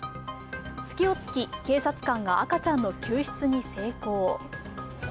隙を突き警察官が赤ちゃんの救出に成功。